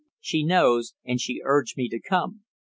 "She knows and she urged me to come!"